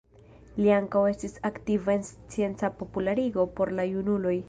Li ankaŭ estis aktiva en scienca popularigo por la junuloj.